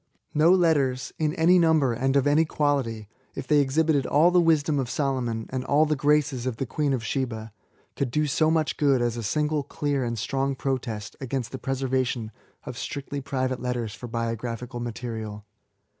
No letters, in any number and of any quality, — if they exhibited all the wisdom of Solomon, and all the graces of the Queen of Sheba, could do so much good as a single clear and strong protest against the preservation of strictly private letters for biographical material.